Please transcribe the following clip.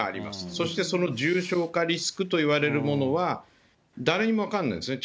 そしてその重症化リスクといわれるものは誰にも分かんないですね。